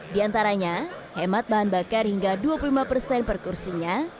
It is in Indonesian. di antaranya hemat bahan bakar hingga dua puluh lima persen per kursinya